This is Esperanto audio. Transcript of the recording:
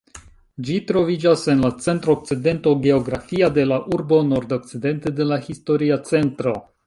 Ĝi troviĝas en la centr-okcidento geografia de la urbo, nordokcidente de la historia centro.